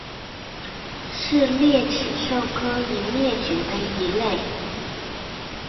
是鬣齿兽科已灭绝的一类。